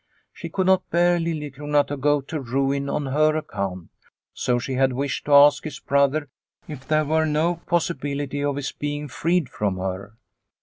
She could not bear Liliecrona to go to ruin on her account, so she had wished to ask his brother if there were no possibility of his being freed from her.